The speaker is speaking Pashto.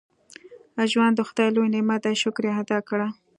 • ژوند د خدای لوی نعمت دی، شکر یې ادا کړه.